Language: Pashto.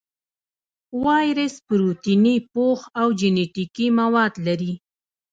وایرس پروتیني پوښ او جینیټیک مواد لري.